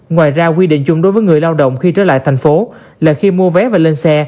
ngoài ra quy định chung đối với người lao động khi trở lại thành phố là khi mua vé và lên xe